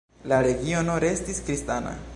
La regiono restis kristana.